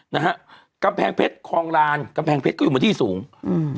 นะฮะกำแพงเพชรคลองลานกำแพงเพชรก็อยู่บนที่สูงอืม